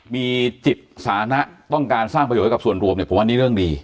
มีจิตสานะต้องการสร้างประโยชน์ให้กับส่วนรวมเนี่ยผมว่านี่เรื่องดี